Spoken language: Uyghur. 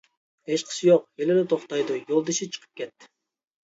-ھېچقىسى يوق، ھېلىلا توختايدۇ. يولدىشى چىقىپ كەتتى.